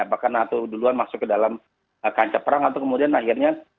apakah nato duluan masuk ke dalam kancah perang atau kemudian akhirnya